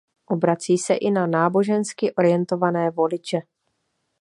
Obrací se i na nábožensky orientované voliče.